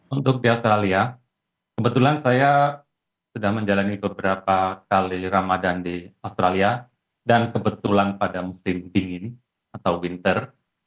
untuk di australia kebetulan saya sudah menjalani beberapa kali ramadan di australia dan kebetulan pada musim dingin atau winter